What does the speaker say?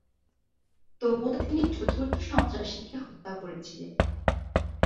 তবুও তিনি চতুর্থ সন্ত্রাসীকে হত্যা করেছিলেন।